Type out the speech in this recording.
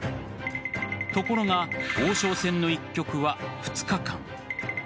ところが王将戦の１局は２日間。